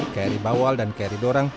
kri bawal dan kri dorang